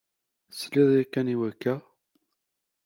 Tesliḍ yakan i wakka?